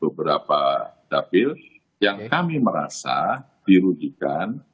beberapa dapil yang kami merasa dirugikan